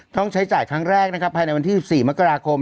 ต้องใช้จ่ายครั้งแรกนะครับภายในวันที่๑๔มกราคม